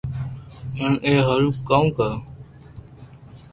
ھين اي ھارون ڪاو ڪرو